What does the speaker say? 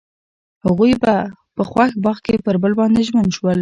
هغوی په خوښ باغ کې پر بل باندې ژمن شول.